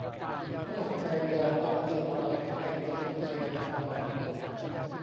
"ถ้าหนักใจเวลาต้องเลือกอะไร ให้เลือกมนุษยธรรมก่อนเสมอ"